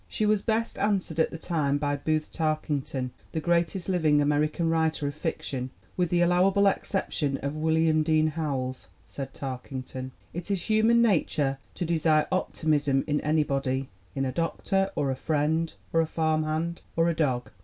She was best answered at the time by Booth Tarkington, the greatest living American writer of fiction, with the allowable exception of William Dean Howells. Said Tarkington: "It is human nature to desire optimism in anybody in a doctor, or a friend, or a farm hand, or a dog.